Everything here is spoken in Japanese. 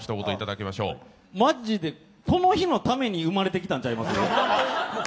マジでこの日のために生まれてきたんちゃいます？